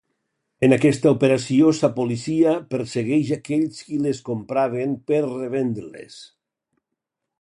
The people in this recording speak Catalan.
En aquesta operació la policia persegueix aquells qui les compraven per revendre-les.